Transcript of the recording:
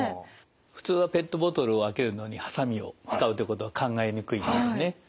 普通はペットボトルを開けるのにハサミを使うということは考えにくいですよね。